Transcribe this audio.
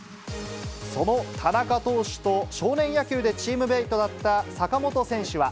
その田中投手と少年野球でチームメートだった坂本選手は。